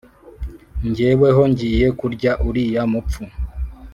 jyeweho ngiye kurya uriya mupfu,